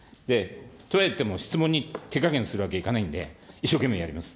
とはいっても質問に手加減するわけにいかないんで、一生懸命やります。